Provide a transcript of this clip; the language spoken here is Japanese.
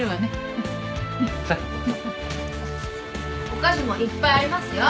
お菓子もいっぱいありますよ。